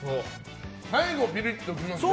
最後、ピリッときますね。